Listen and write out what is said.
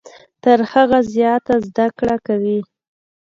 تر هغه زیاته زده کړه کوي .